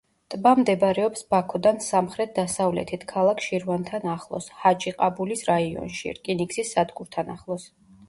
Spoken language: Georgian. ტბა მდებარეობს ბაქოდან სამხრეთ-დასავლეთით, ქალაქ შირვანთან ახლოს, ჰაჯიყაბულის რაიონში, რკინიგზის სადგურთან ახლოს.